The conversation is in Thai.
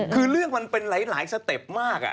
คือเรื่องมันลายสเต็ปมาก